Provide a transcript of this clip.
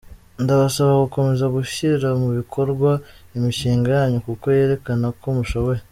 Ndabasaba gukomeza gushyira mu bikorwa imishinga yanyu kuko yerekana ko mushoboye.